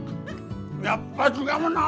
やっぱ違うな！